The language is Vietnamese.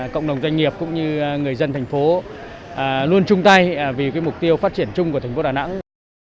cộng đồng doanh nghiệp cũng như người dân thành phố luôn chung tay vì mục tiêu phát triển chung của thành phố đà nẵng